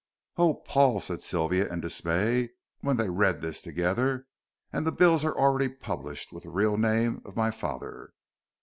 "Oh, Paul," said Sylvia, in dismay, when they read this together, "and the bills are already published with the real name of my father."